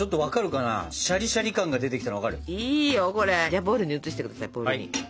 じゃあボウルに移して下さいボウルに。